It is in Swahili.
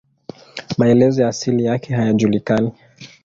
Maelezo ya asili yake hayajulikani.